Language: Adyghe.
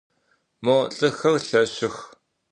Mo lh'ıxer lheşşıx.